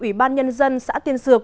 ủy ban nhân dân xã tiên dược